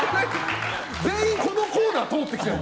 全員このコーナー通ってきてるの？